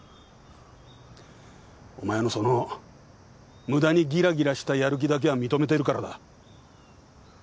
お前のそのムダにギラギラしたやる気だけは認めてるからだ。